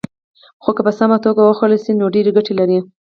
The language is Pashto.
خو که په سمه توګه وخوړل شي، نو ډېرې ګټې لري.